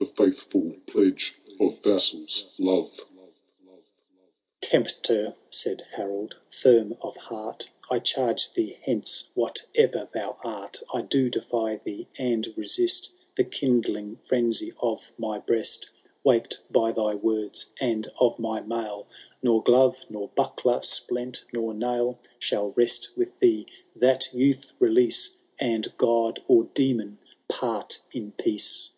The faithful pledge of vassal*s love.^^ XV. " Tempter," said Harold, firm of heart, " I charge thee, hence f whatever thou art, I do defy thee — and resist The kindling frenzy of my breast, Canto VI. HAROLD THE DAUNTLESS. 193 Waked by thy words ; and of my mail, Nor glove, nor buckler, splent, nor nail, Shall rest with thee — ^that youth release. And God, or Demon, part in peace."